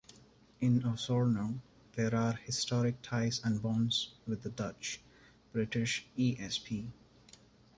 In Osorno, there are historic ties and bonds with the Dutch, British esp.